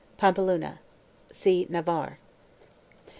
PAMPELUNA. See NAVARRE.